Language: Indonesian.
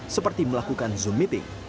seperti melakukan zoom meeting